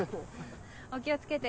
お気を付けて。